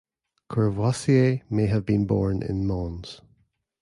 Courvoisier may have been born in Mons.